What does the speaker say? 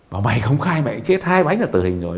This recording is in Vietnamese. bảo mày không khai mày chết hai bánh là tự hình rồi